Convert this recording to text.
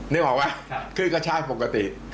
นึกออกไหวคือก็ใช้ปกติ